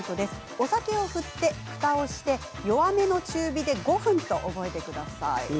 お酒を振ってふたして弱めの中火で５分と覚えてください。